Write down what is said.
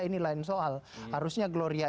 ini lain soal harusnya gloria